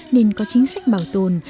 nên có chính sách bảo tồn